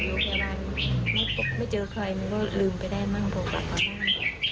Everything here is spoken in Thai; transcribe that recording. อยู่พยาบาลไม่เจอใครมันก็ลืมไปได้มากกว่าพยาบาล